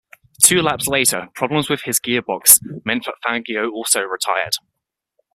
Two laps later, problems with his gearbox meant that Fangio also retired.